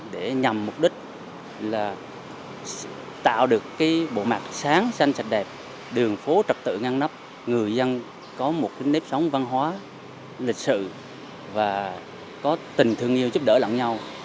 để nhằm mục đích là tạo được bộ mặt sáng xanh sạch đẹp đường phố trật tự ngăn nắp người dân có một nếp sống văn hóa lịch sự và có tình thương yêu giúp đỡ lặng nhau